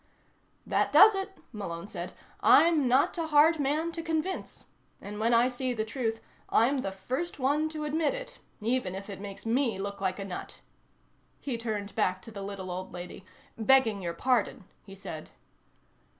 "That does it," Malone said. "I'm not a hard man to convince. And when I see the truth, I'm the first one to admit it, even if it makes me look like a nut." He turned back to the little old lady. "Begging your pardon," he said.